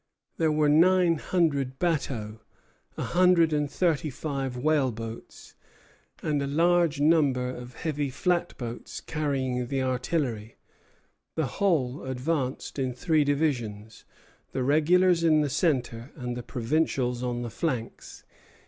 There were nine hundred bateaux, a hundred and thirty five whaleboats, and a large number of heavy flatboats carrying the artillery. The whole advanced in three divisions, the regulars in the centre, and the provincials on the flanks.